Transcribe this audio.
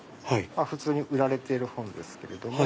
普通に売られている本ですけれども。